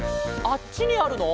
あっちにあるの？